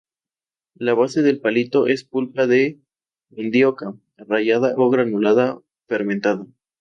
La base del platillo es pulpa de mandioca rallada o granulada fermentada.